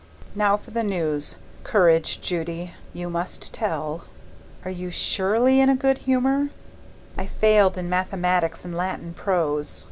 Now for the news courage, Judy! you must tell. Are you SURELY in a good humour? I failed in mathematics and Latin prose.